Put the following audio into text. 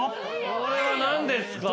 これは何ですか？